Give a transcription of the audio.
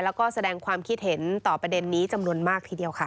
แล้วก็แสดงความคิดเห็นต่อประเด็นนี้จำนวนมากทีเดียวค่ะ